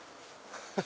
ハハハハ！